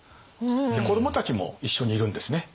子どもたちも一緒にいるんですね。